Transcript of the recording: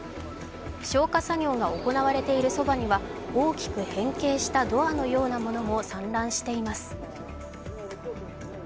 消火作業が行われているそばには大きく変形したドアのようなものも散乱しています。